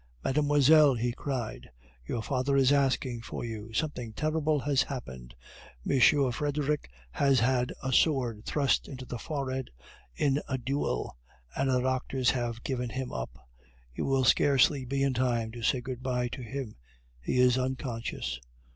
"Mademoiselle," he cried, "your father is asking for you something terrible has happened! M. Frederic has had a sword thrust in the forehead in a duel, and the doctors have given him up. You will scarcely be in time to say good bye to him! he is unconscious."